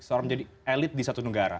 seorang menjadi elit di satu negara